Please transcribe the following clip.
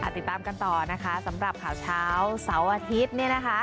ติดตามกันต่อนะคะสำหรับข่าวเช้าเสาร์อาทิตย์